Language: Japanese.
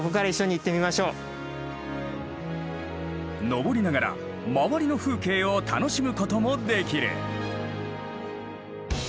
上りながら周りの風景を楽しむこともできる。